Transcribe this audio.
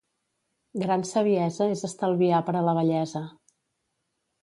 Gran saviesa és estalviar per a la vellesa.